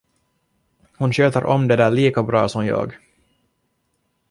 Hon sköter om det där lika bra som jag.